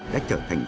đã trở thành